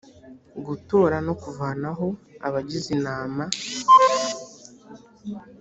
gutora no kuvanaho abagize inama